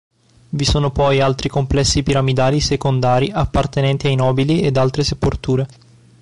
Vi sono poi altri complessi piramidali secondari appartenenti ai nobili ed altre sepolture.